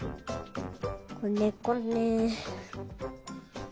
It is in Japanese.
こねこね。